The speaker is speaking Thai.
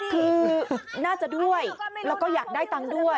คือน่าจะด้วยแล้วก็อยากได้ตังค์ด้วย